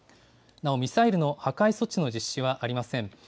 なおミサイルの破壊措置の実施はありません。